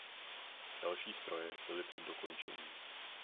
Další stroje byly před dokončením.